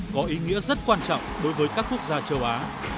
có ý nghĩa rất quan trọng đối với các quốc gia châu á